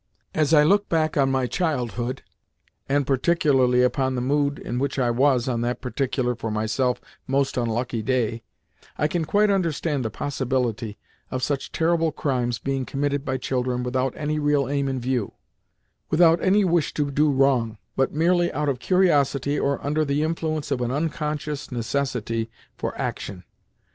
As I look back upon my childhood, and particularly upon the mood in which I was on that (for myself) most unlucky day, I can quite understand the possibility of such terrible crimes being committed by children without any real aim in view—without any real wish to do wrong, but merely out of curiosity or under the influence of an unconscious necessity for action.